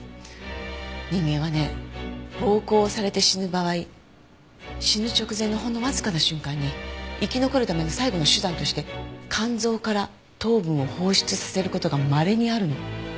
人間はね暴行されて死ぬ場合死ぬ直前のほんのわずかな瞬間に生き残るための最後の手段として肝臓から糖分を放出させる事がまれにあるの。